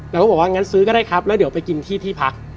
เราก็บอกว่างั้นซื้อก็ได้ครับแล้วเดี๋ยวไปกินที่ที่พัก